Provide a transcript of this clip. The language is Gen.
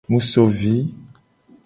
Mu so vi.